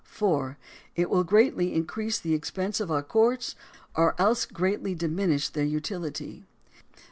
(4) It will greatly in crease the expense of our courts, or else greatly diminish their utility.